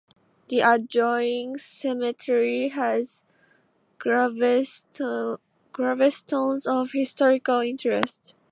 The adjoining cemetery has gravestones of historical interest.